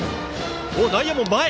内野も前。